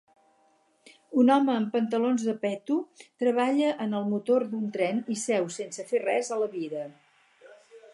Un home amb pantalons de peto treballa en el motor d'un tren i seu sense fer res a la vida.